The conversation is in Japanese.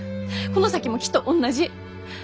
この先もきっと同じ。